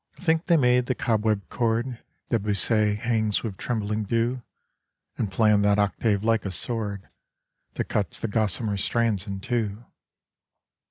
I think they made the cobweb chord Debussy hangs with trembling dew, And planned that octave like a sword That cuts the gossamer strands in two.